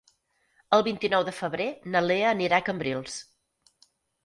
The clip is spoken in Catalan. El vint-i-nou de febrer na Lea anirà a Cambrils.